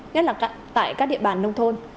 nhất là tại các địa bàn nông thôn